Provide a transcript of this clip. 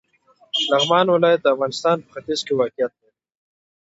لغمان ولایت د افغانستان په ختیځ کې واقع دی.